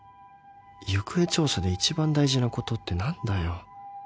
行方調査で一番大事なことって何だよ